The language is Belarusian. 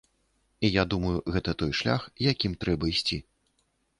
І я думаю, гэта той шлях, якім трэба ісці.